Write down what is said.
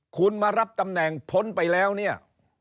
คุณมารับตำแหน่งพ้นไปแล้วเนี่ย